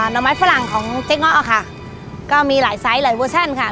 ่อไม้ฝรั่งของเจ๊ง้อค่ะก็มีหลายไซส์หลายเวอร์ชั่นค่ะ